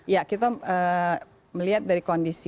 ya kita melihat dari kondisi